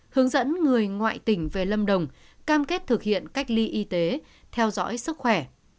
hướng dẫn người ngoại tỉnh về lâm đồng cam kết thực hiện cách ly y tế theo dõi sức khỏe